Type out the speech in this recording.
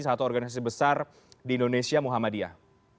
satu organisasi besar di indonesia muhammadiyah